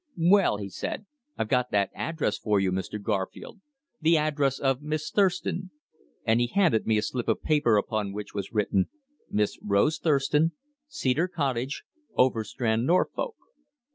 "Well?" he said, "I've got that address for you, Mr. Garfield the address of Miss Thurston," and he handed me a slip of paper upon which was written: Miss Rose Thurston, Cedar Cottage, Overstrand, Norfolk.